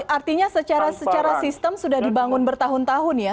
artinya secara sistem sudah dibangun bertahun tahun ya